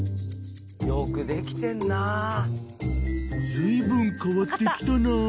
［ずいぶん変わってきたな］